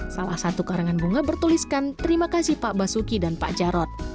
salah satu karangan bunga bertuliskan terima kasih pak basuki dan pak jarod